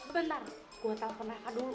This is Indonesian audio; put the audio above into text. bentar gue telfon naka dulu